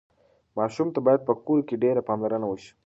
ماشوم ته باید په کور کې ډېره پاملرنه وشي.